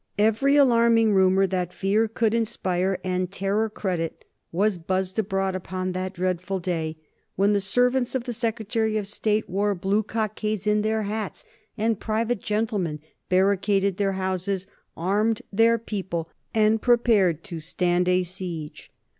Every alarming rumor that fear could inspire and terror credit was buzzed abroad upon that dreadful day, when the servants of the Secretary of State wore blue cockades in their hats and private gentlemen barricaded their houses, armed their people, and prepared to stand a siege.